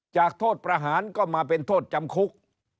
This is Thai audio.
โทษประหารก็มาเป็นโทษจำคุก